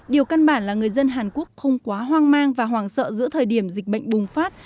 điều căn bản là người dân hàn quốc không quá hoang mang và hoàng sợ giữa thời điểm dịch bệnh bùng phát